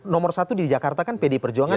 nomor satu di jakarta kan pdi perjuangan